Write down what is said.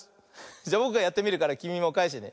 じゃぼくがやってみるからきみもかえしてね。